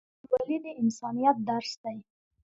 پښتونولي د انسانیت درس دی.